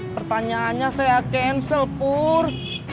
pertanyaannya saya cancel pur